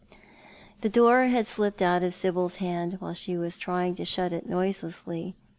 The door had slipped out of Sibyl's hand while she was trying to shut it noiselessly.